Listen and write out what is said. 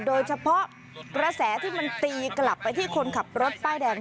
โดยเฉพาะกระแสที่มันตีกลับไปที่คนขับรถป้ายแดง